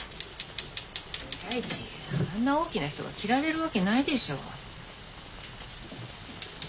第一あんな大きな人が着られるわけないでしょ。